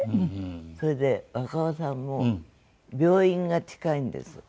それで若尾さんも病院が近いんです。